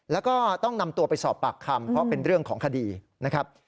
แล้วก็ต้องนำตัวไปสอบปากคำเพราะเป็นเรื่องของคดีนะครับ